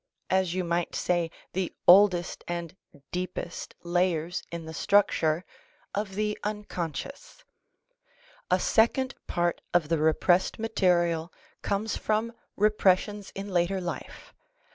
54 freud's theory of the neuroses might say the oldest and deepest layers in the structure, of the unconscious. A second part of the repressed material comes from repressions in later life.